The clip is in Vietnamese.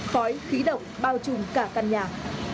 khói khí động bao trùm cả căn nhà